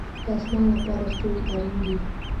د اسمان لپاره ستوري اړین دي